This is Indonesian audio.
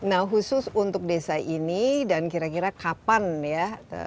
nah khusus untuk desa ini dan kira kira kapan ya